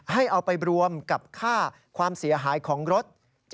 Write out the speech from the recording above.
ให้เอาไปรวมกับค่าความเสียหายของรถ